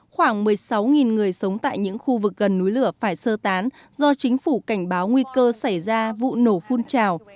khoảng một mươi sáu người sống tại những khu vực gần núi lửa phải sơ tán do chính phủ cảnh báo nguy cơ xảy ra vụ nổ phun trào